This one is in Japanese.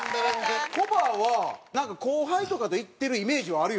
コバはなんか後輩とかと行ってるイメージはあるよ。